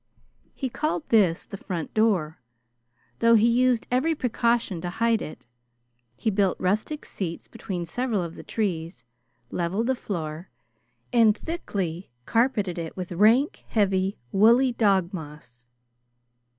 He called this the front door, though he used every precaution to hide it. He built rustic seats between several of the trees, leveled the floor, and thickly carpeted it with rank, heavy, woolly dog moss.